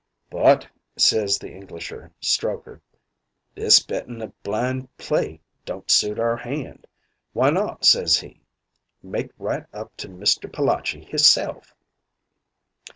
"'But,' says the Englisher, Strokher, 'this bettin' a blind play don't suit our hand. Why not' says he, 'make right up to Mister Palachi hisself?'